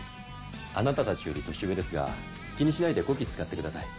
あなたたちより年上ですが気にしないでこき使ってください。